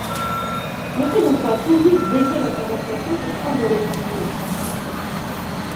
Ne fais donc pas toujours dévier la conversation pour prendre l’offensive !